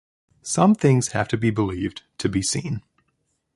Some things have to be believed to be seen.